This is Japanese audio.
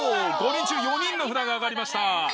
５人中４人の札が上がりました。